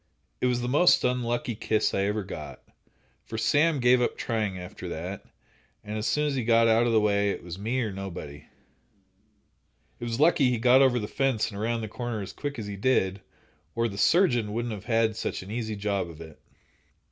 "It was the most unlucky kiss I ever got, for Sam gave up trying after that, and as soon as he got out of the way, it was me or nobody." It was lucky he got over the fence and around the corner as quick as he did, or the surgeon wouldn't have had such an easy job of it.